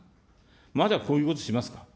まだこういうことしますか。